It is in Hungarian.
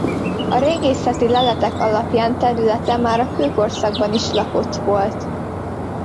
A régészeti leletek alapján területe már a kőkorszakban is lakott volt.